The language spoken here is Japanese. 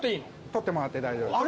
取ってもらって大丈夫です。